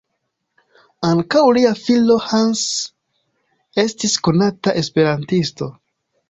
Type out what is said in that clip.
Ankaŭ lia filo Hans estis konata esperantisto.